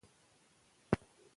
پښتو ژبه ډېر پخوانی تاریخ لري.